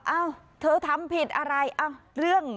มันเป็นสิ่งที่เราไม่ได้รู้สึกว่า